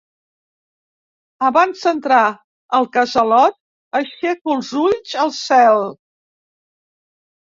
Abans d'entrar al casalot aixeco els ulls al cel.